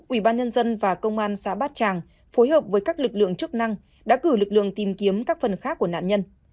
ủy ban nhân dân và công an xã bát tràng phối hợp với các lực lượng chức năng đã cử lực lượng tìm kiếm các phần khác của nạn nhân